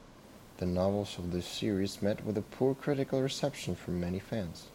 The novels of this series met with a poor critical reception from many fans.